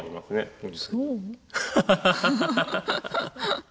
そう？